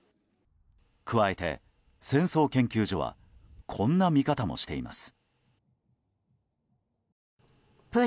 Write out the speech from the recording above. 加えて戦争研究所はこんな見方もしています。